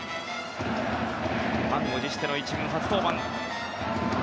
満を持しての１軍初登板。